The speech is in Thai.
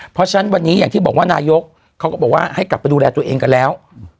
เพราะฉะนั้นวันนี้อย่างที่บอกว่านายกเขาก็บอกว่าให้กลับไปดูแลตัวเองกันแล้ว